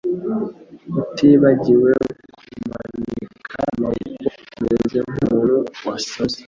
utibagiwe kumanika amaboko umeze nk'umuntu wasaze.